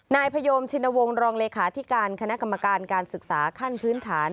นายพยมชินวงศ์รองเลขาธิการคณะกรรมการการศึกษาขั้นพื้นฐาน